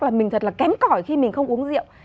là mình thật là kém cõi khi mình không uống rượu